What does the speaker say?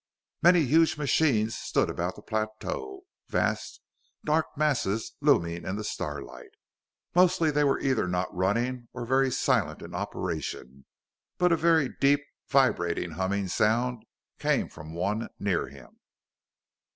Many huge machines stood about the plateau, vast, dark masses looming in the starlight. Mostly they were either not running or very silent in operation; but a very deep, vibrant humming sound came from one near him.